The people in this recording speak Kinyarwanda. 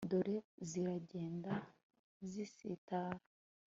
dore ziragenda zisitara